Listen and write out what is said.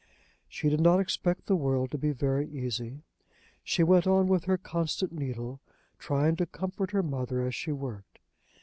She did not expect the world to be very easy. She went on with her constant needle, trying to comfort her mother as she worked.